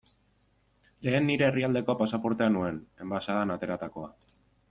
Lehen nire herrialdeko pasaportea nuen, enbaxadan ateratakoa.